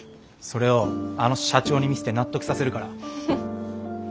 それをあの社長に見せて納得させるから。